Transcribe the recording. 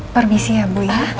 permisi ya ibu ya